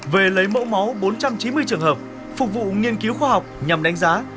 về lấy mẫu máu bốn trăm chín mươi trường hợp phục vụ nghiên cứu khoa học nhằm đánh giá